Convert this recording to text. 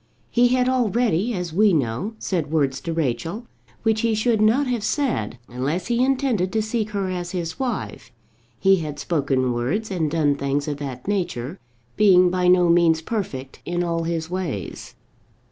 He had already, as we know, said words to Rachel which he should not have said unless he intended to seek her as his wife; he had spoken words and done things of that nature, being by no means perfect in all his ways.